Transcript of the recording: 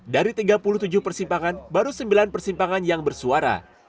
dari tiga puluh tujuh persimpangan baru sembilan persimpangan yang bersuara